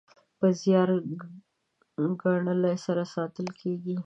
په زیار ګالنې سره ساتل کیږي.